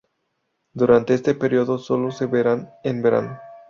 Durante este período solo se verán en verano.